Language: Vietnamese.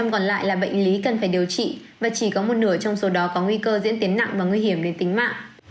năm còn lại là bệnh lý cần phải điều trị và chỉ có một nửa trong số đó có nguy cơ diễn tiến nặng và nguy hiểm đến tính mạng